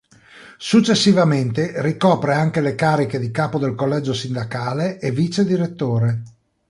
Successivamente ricopre anche le cariche di capo del collegio sindacale e vicedirettore.